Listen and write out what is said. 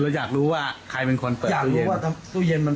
อยากรู้ว่าใครเป็นคนเปิดอยากรู้ว่าตู้เย็นมัน